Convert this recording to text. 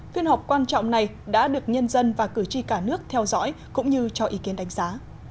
phiên họp quan trọng này đã được nhân dân và cử tri cả nước theo dõi cũng như cho ý kiến đánh giá